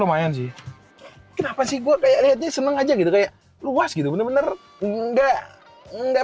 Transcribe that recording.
lumayan sih kenapa sih gue kayak lihatnya senang aja gitu kayak luas gitu bener bener enggak enggak